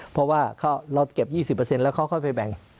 เพราะว่ารถเก็บ๒๐แล้วเขาค่อยไปแบ่ง